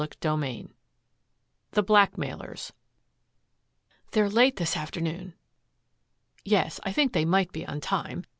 CHAPTER X THE BLACKMAILERS "They're late this afternoon." "Yes. I think they might be on time.